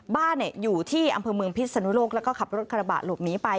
บ้านอยู่ที่อำเภอเมืองพิษนุโลกแล้วก็ขับรถกระบะหลบหนีไป